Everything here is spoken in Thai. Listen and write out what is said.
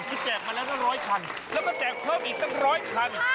แล้วก็แจกเพิ่มอีกตั้ง๑๐๐คัน